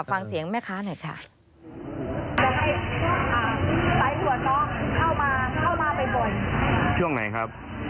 ฟังเสียงแม่ค้าหน่อยค่ะ